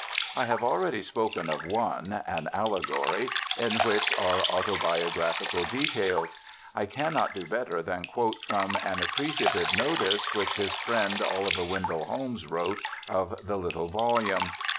I have already spoken of one. An Allegory, in which are autobiographical details. I cannot do better than quote from an appreciative notice which his friend Oliver Wendell Holmes wrote of the little volume.